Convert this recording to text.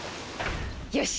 よし！